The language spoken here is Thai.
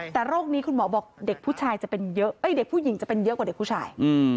แต่โรคนี้คุณหมอบอกเด็กผู้หญิงจะเป็นเยอะกว่าเด็กผู้ชาย